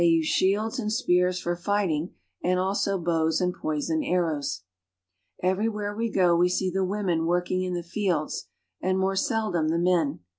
use shields and spears for fighting, and also bows id poisoned arrows. Everywhere we go we see the women working in the and more seldom the men.